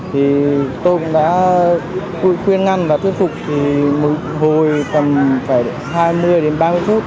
thì tôi cũng đã khuyên ngăn và thuyết phục thì một hồi tầm hai mươi đến ba mươi phút